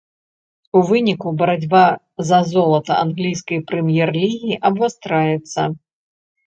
У выніку барацьба за золата англійскай прэм'ер-лігі абвастраецца.